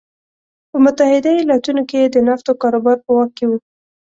په متحده ایالتونو کې یې د نفتو کاروبار په واک کې و.